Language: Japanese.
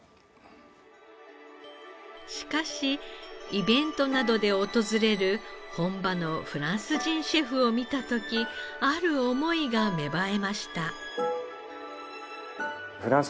しかしイベントなどで訪れる本場のフランス人シェフを見た時ある思いが芽生えました。